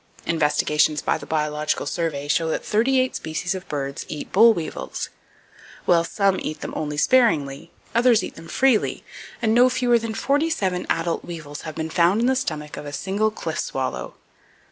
Investigations by the Biological Survey show that thirty eight species of birds eat boll weevils. While some eat them only sparingly others eat them freely, and no fewer than forty seven adult weevils have been found in the stomach of a single cliff swallow.